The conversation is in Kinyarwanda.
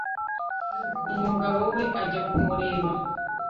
umugabo we ajya kumureba